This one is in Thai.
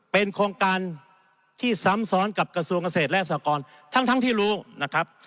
เป็นโครงการที่ซ้ำซ้อนกับกระทรวงเกษตรและสากรทั้งที่รู้นะครับ